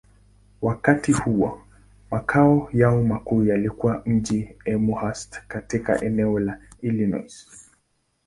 Wakati huo, makao yao makuu yalikuwa mjini Elmhurst, katika eneo la Illinois.